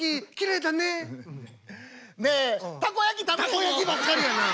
たこ焼きばっかりやな！